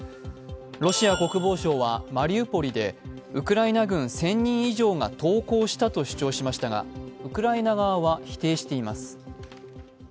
ロシア国防省はマリウポリでウクライナ軍１０００人以上が投降したと主張しましたがウクライナ側は否定しています。